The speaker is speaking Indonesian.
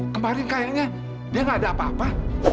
kemarin kayaknya dia gak ada apa apa